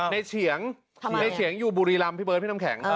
เฉียงในเฉียงอยู่บุรีรำพี่เบิร์ดพี่น้ำแข็ง